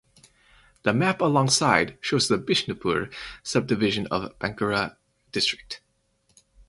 The map alongside shows the Bishnupur subdivision of Bankura district.